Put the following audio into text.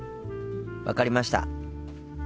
分かりました。